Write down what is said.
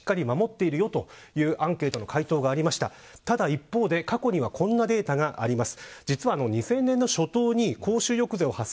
一方で、過去にはこんなデータがあります。